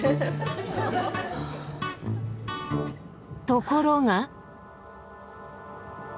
ところが。